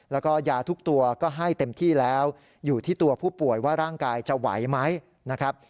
แล้วก็ยาทุกตัวก็ให้เต็มที่แล้วอยู่ที่ตัวผู้ป่วยว่าร่างกายจะไหวไหมนะครับ